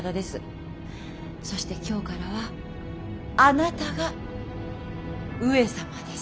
そして今日からはあなたが上様です。